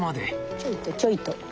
ちょいとちょいと。